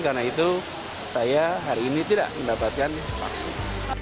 karena itu saya hari ini tidak mendapatkan vaksin